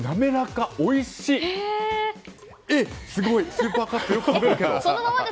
スーパーカップよく食べるけど。